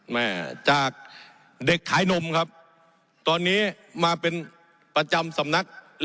แม่จากเด็กขายนมครับตอนนี้มาเป็นประจำสำนัก